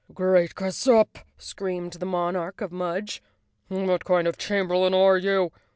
"Great Gazupp!" screamed the monarch of Mudge. "What kind of a chamberlain are you?